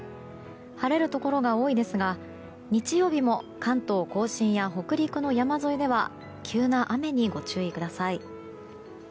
晴れるところが多いですが日曜日も関東・甲信や北陸の山沿いでは急な雨にご注意ください。